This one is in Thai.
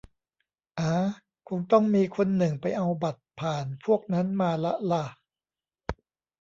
อ๋า คงต้องมีคนหนึ่งไปเอาบัตรผ่านพวกนั้นมาละล่ะ